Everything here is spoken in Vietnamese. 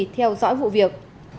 theo dõi vụ việc